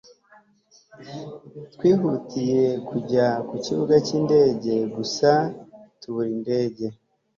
twihutiye kujya ku kibuga cy'indege gusa tubura indege